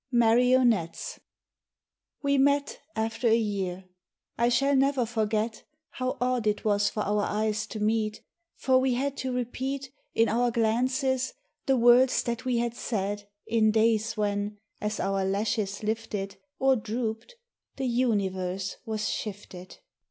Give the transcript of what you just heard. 80 MARIONETTES. WE met After a year. I shall never forget How odd it was for our eyes to meet, For we had to repeat In our glances the words that we had said In days when, as our lashes lifted Or drooped, the universe was shifted.